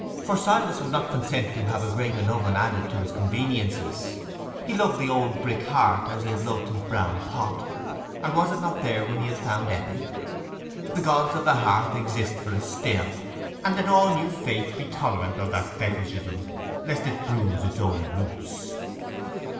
For Silas would not consent to have a grate and oven added to his conveniences: he loved the old brick hearth as he had loved his brown pot—and was it not there when he had found Eppie? The gods of the hearth exist for us still; and let all new faith be tolerant of that fetishism, lest it bruise its own roots.